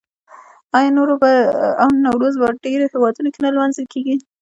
آیا نوروز په ډیرو هیوادونو کې نه لمانځل کیږي؟